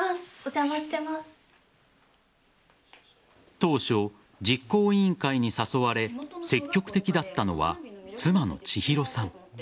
当初、実行委員会に誘われ積極的だったのは妻の千浩さん。